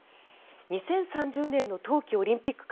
２０３０年の冬季オリンピック